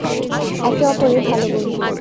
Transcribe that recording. একে অপরের ভালো বন্ধু।